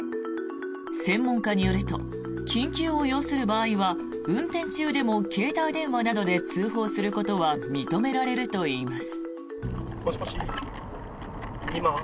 専門家によると緊急を要する場合は運転中でも携帯電話などで通報することは認められるといいます。